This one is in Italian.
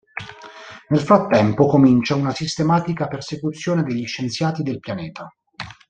Nel frattempo, comincia una sistematica persecuzione degli scienziati del pianeta.